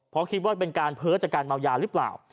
เพราะคิดว่าเป็นการเพ้อจากการเมายาหรือเปล่า